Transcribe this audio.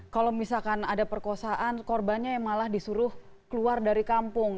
kalau misalkan ada perkosaan korbannya yang malah disuruh keluar dari kampung